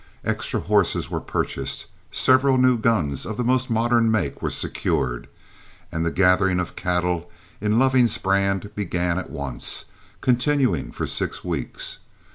Extra horses were purchased, several new guns of the most modern make were secured, and the gathering of cattle in Loving's brand began at once, continuing for six weeks.